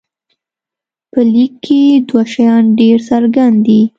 په لیک کې دوه شیان ډېر څرګند دي.